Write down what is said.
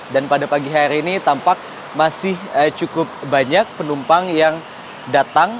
pada pagi hari ini tampak masih cukup banyak penumpang yang datang